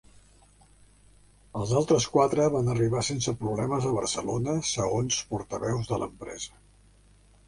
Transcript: Els altres quatre van arribar sense problemes a Barcelona, segons portaveus de l'empresa.